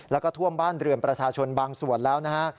แล้วก็ท่วมบ้านเรือนประชาชนบางส่วนแล้วนะฮะ